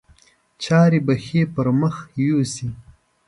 چارې به ښې پر مخ یوسي.